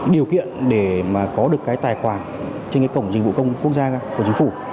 điều kiện để mà có được cái tài khoản trên cái cổng dịch vụ công quốc gia của chính phủ